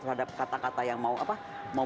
terhadap kata kata yang mau apa mau